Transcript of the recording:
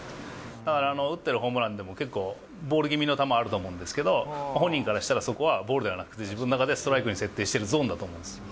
だから、打ってるホームランでも結構、ボールぎみの球、あると思うんですけど、本人からしたら、そこはボールじゃなくて、自分の中でストライクに設定しているゾーンだと思うんです。